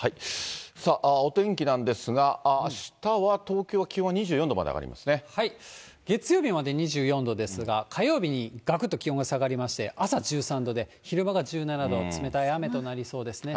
お天気なんですが、あしたは東京、月曜日まで２４度ですが、火曜日にがくっと気温は下がりまして、朝１３度で昼間が１７度、冷たい雨となりそうですね。